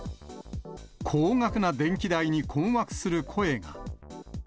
高額な電気代に困惑する声が。